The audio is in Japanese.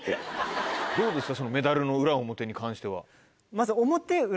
どうですか？